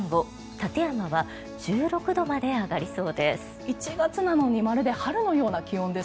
館山は１６度まで上がりそうです。